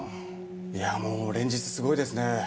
いやもう連日すごいですね